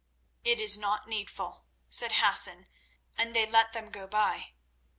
"It is not needful," said Hassan, and they let them go by.